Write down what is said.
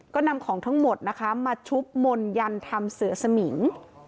ก็นำของทั้งหมดนะคะมาชุบมนต์ยันทำเสือสมิง